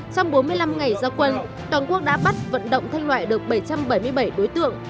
trong bốn mươi năm ngày gia quân toàn quốc đã bắt vận động thanh loại được bảy trăm bảy mươi bảy đối tượng